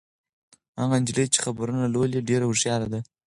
هغه نجلۍ چې خبرونه لولي ډېره هوښیاره ده.